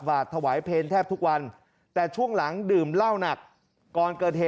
หวาดถวายเพนแทบทุกวันแต่ช่วงหลังดื่มล่าวหนักกรณ์เกอร์เท